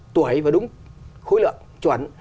tuổi và đúng khối lượng chuẩn